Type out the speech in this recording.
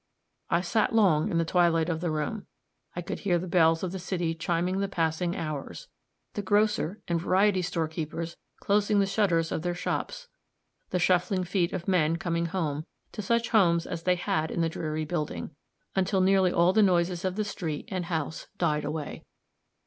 I sat long in the twilight of the room; I could hear the bells of the city chiming the passing hours; the grocer and variety storekeepers closing the shutters of their shops; the shuffling feet of men coming home, to such homes as they had in the dreary building, until nearly all the noises of the street and house died away.